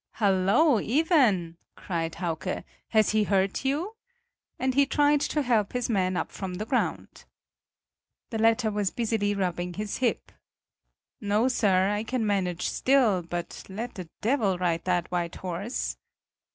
"Hallo, Iven," cried Hauke, "has he hurt you?" and he tried to help his man up from the ground. The latter was busily rubbing his hip: "No, sir, I can manage still; but let the devil ride that white horse!"